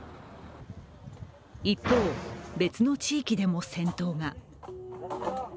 一方、別の地域でも戦闘が。